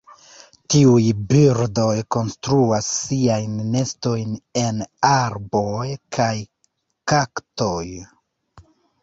Tiuj birdoj konstruas siajn nestojn en arboj kaj kaktoj.